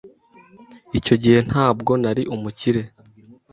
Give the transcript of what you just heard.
Icyo gihe ntabwo nari umukire.